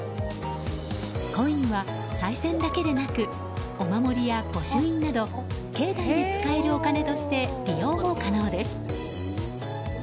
コインは、さい銭だけでなくお守りや御朱印など境内で使えるお金として利用も可能です。